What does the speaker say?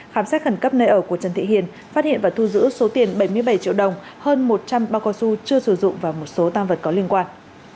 khám xét khẩn cấp nơi ở của trần thị hiền phát hiện và thu giữ số tiền bảy mươi bảy triệu đồng hơn một trăm linh bao cao su chưa sử dụng và một số tam vật có liên quan